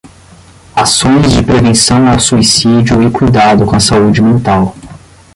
Ações de prevenção ao suicídio e cuidado com a saúde mental